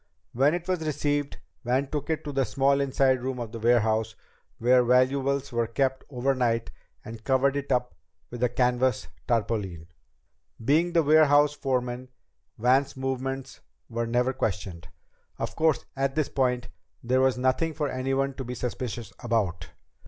When it was received, Van took it to the small inside room of the warehouse where valuables were kept overnight and covered it up with a canvas tarpaulin. Being the warehouse foreman, Van's movements were never questioned. Of course, at this point, there was nothing for anyone to be suspicious about.